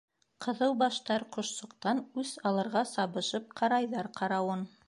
Ҡыҙыу баштар ҡошсоҡтан үс алырға сабышып ҡарайҙар ҡа-рауын.